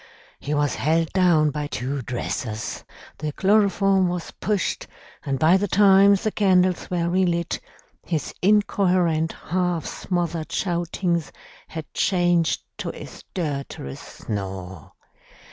He was held down by two dressers, the chloroform was pushed, and by the time the candles were relit, his incoherent, half smothered shoutings had changed to a stertorous snore.